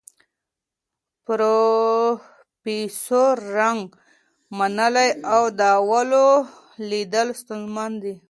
پروفیسور نګ منلې، د اولو لیدل ستونزمن دي.